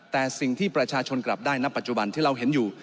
แต่สิ่งที่ประชาชนกลับได้ณปัจจุบันที่เราเห็นอยู่